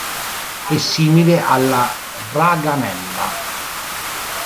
È simile alla "raganella".